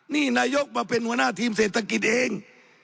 นี่นายกมาเป็นหัวหน้าทีมเศรษฐกิจเอง